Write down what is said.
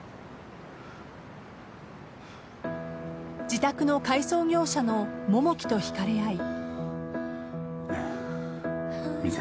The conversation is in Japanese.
自宅の改装業者の百樹と引かれ合い。